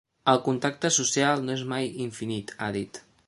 El contracte social no és mai infinit –ha dit–.